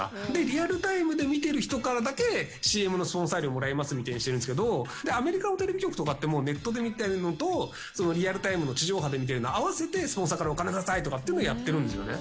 リアルタイムで見てる人からだけＣＭのスポンサー料もらえますみたいにしてるんですけどアメリカのテレビ局とかってネットで見てるのとリアルタイムの地上派で見てるの合わせてスポンサーからお金下さいってやってるんですね。